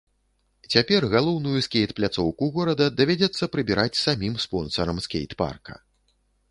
Цяпер галоўную скейт-пляцоўку горада давядзецца прыбіраць самім спонсарам скейтпарка.